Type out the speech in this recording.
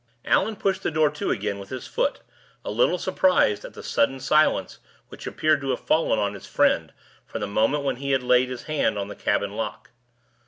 Allan pushed the door to again with his foot, a little surprised at the sudden silence which appeared to have fallen on his friend from the moment when he had laid his hand on the cabin lock.